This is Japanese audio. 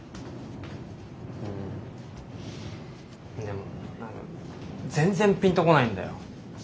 うんでも全然ピンとこないんだよ。